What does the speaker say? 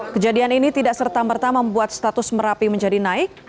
kejadian ini tidak serta merta membuat status merapi menjadi naik